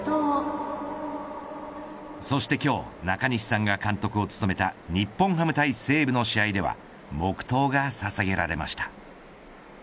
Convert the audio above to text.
そして今日、中西さんが監督を務めた日本ハム対西武の試合では黙とうがささげられました。